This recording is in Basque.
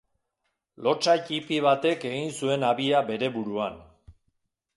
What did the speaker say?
Lotsa ttipi batek egin zuen habia bere buruan.